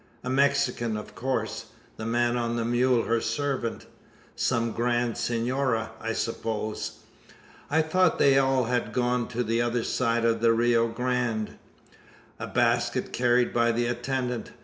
"A Mexican, of course; the man on the mule her servant. Some grand senora, I suppose? I thought they had all gone to the other side of the Rio Grande. A basket carried by the attendant.